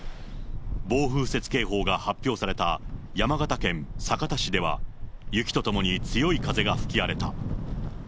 暴風雪警報が発表された山形県酒田市では、雪と共に強い風が吹き荒れた。